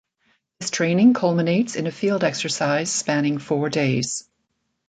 This training culminates in a field exercise spanning four days.